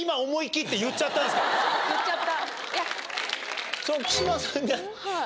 言っちゃった。